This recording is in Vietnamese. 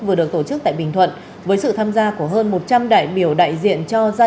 vừa được tổ chức tại bình thuận với sự tham gia của hơn một trăm linh đại biểu đại diện cho gia